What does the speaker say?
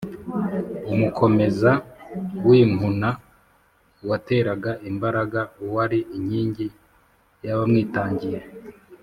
umukomeza w’inkuna: uwateraga imbaraga, uwari inkingi y’abamwitangiye,